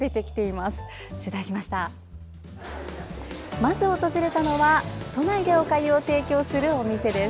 まず訪れたのは都内でおかゆを提供するお店です。